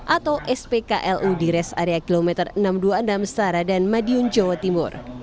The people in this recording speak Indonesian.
atau spklu di res area kilometer enam ratus dua puluh enam sara dan madiun jawa timur